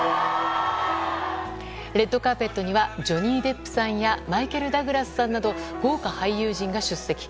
レッドカーペットにはジョニー・デップさんやマイケル・ダグラスさんなど豪華俳優陣が出席。